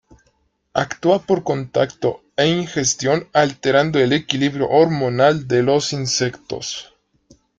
Actúa por contacto e ingestión alterando el equilibrio hormonal de los insectos.